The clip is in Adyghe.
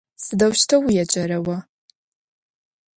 Сыдэущтэу уеджэра о?